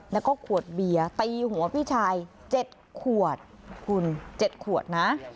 แล้วก็ขวดเบียร์ตีหัวพี่ชาย๗ขวดคุณ๗ขวดนะ